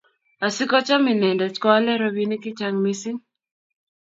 Asigocham inendet koalee robinik chechang mising